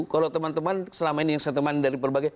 kalau teman teman selama ini yang saya teman dari berbagai